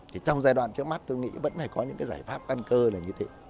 thì trong giai đoạn trước mắt tôi nghĩ vẫn phải có những cái giải pháp căn cơ là như thế